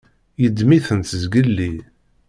Yeddem-itent zgelli.